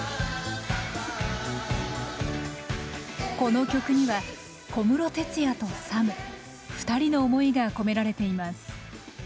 この曲には小室哲哉とＳＡＭ２人の思いが込められています。